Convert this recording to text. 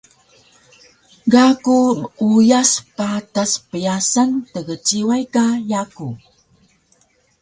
Ga ku meuyas patas pyasan tgciway ka yaku